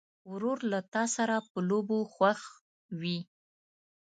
ورور له تا سره په لوبو خوښ وي.